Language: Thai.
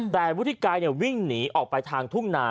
แต่วุฒิไกรวิ่งหนีออกไปทางทุ่งนา